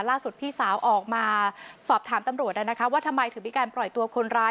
ล่าสุดพี่สาวออกมาสอบถามตำรวจว่าทำไมถึงมีการปล่อยตัวคนร้าย